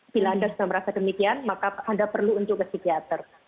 bila anda sudah merasa demikian maka anda perlu untuk ke psikiater